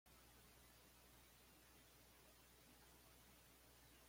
Chapala cuenta con un comercio aceptable.